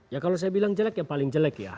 ya kalau saya bilang jelek ya paling jelek ya